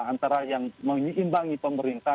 antara yang mengimbangi pemerintah